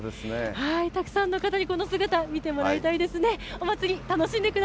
たくさんの方にこの姿、見てもらいたいですね。